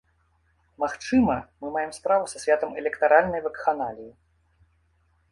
Магчыма, мы маем справу са святам электаральнай вакханаліі.